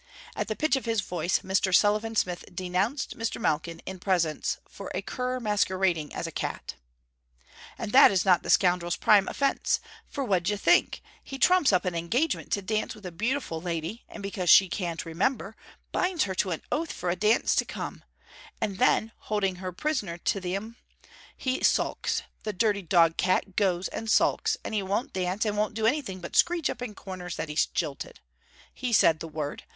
At the pitch of his voice, Mr. Sullivan Smith denounced Mr. Malkin in presence for a cur masquerading as a cat. 'And that is not the scoundrel's prime offence. For what d' ye think? He trumps up an engagement to dance with a beautiful lady, and because she can't remember, binds her to an oath for a dance to come, and then, holding her prisoner to 'm, he sulks, the dirty dogcat goes and sulks, and he won't dance and won't do anything but screech up in corners that he's jilted. He said the word.